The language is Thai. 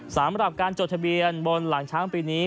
สำหรับการจดทะเบียนบนหลังช้างปีนี้